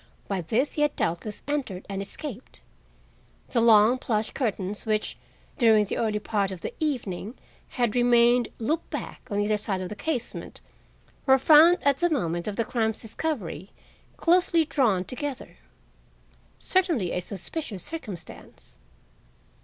By this he had doubtless entered and escaped. The long plush curtains which, during the early part of the evening, had remained looped back on either side of the casement, were found at the moment of the crime's discovery closely drawn together. Certainly a suspicious circumstance.